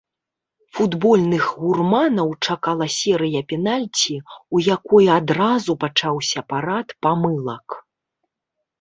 Футбольных гурманаў чакала серыя пенальці, у якой адразу пачаўся парад памылак.